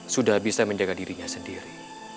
sudah bisa menjaga dirinya sendiri